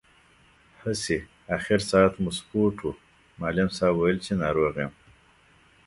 هسې، اخر ساعت مو سپورټ و، معلم صاحب ویل چې ناروغ یم.